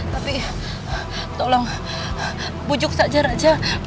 tapi tolong bujuk saja raja